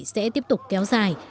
những điều này sẽ tiếp tục kéo dài